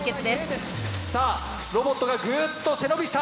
さあロボットがぐっと背伸びした。